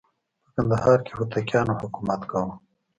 په کندهار کې هوتکیانو حکومت کاوه.